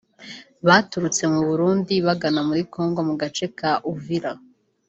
baturutse mu Burundi bagana muri Congo mu gace ka Uvira